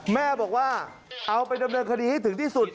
แม่บอกว่าเอาไปดำเนินคดีให้ถึงที่สุด